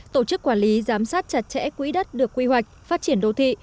tổ chức quản lý giám sát chặt chẽ quỹ đất được quy hoạch phát triển đô thị